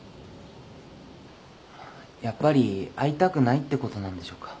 やっぱり会いたくないってことなんでしょうか？